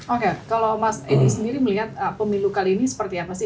oke kalau mas edi sendiri melihat pemilu kali ini seperti apa sih